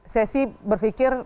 saya sih berpikir